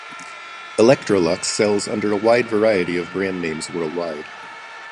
Electrolux sells under a wide variety of brand names worldwide.